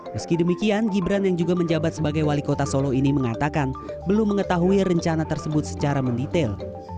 meski demikian gibran yang juga menjabat sebagai wali kota solo ini mengatakan belum mengetahui rencana tersebut secara mendetail